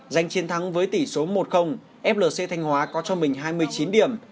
giành chiến thắng với tỷ số một flc thanh hóa có cho mình hai mươi chín điểm